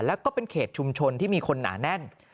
แล้วก็เป็นเขตชุมชนที่มีคนหนาแน่น